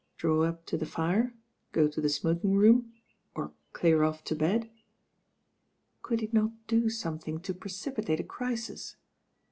Draw up to the fire, go to the smoking room, or clear off to bed? Could he not do something to precipitate a crisis?